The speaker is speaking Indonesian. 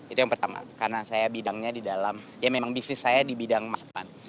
itu yang pertama karena saya bidangnya di dalam ya memang bisnis saya di bidang masa depan